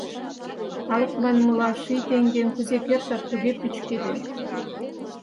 Калык манмыла, ший теҥгем кузе кертат, туге пӱчкеде.